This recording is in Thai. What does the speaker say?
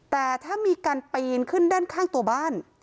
แต่ถ้ามีการปีนขึ้นด้านข้างตัวบ้าน